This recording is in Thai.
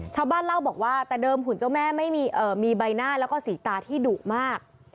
ชาวบ้านเล่าบอกว่าแต่เดิมหุ่นเจ้าแม่ไม่มีใบหน้าแล้วก็สีตาที่ดุมาก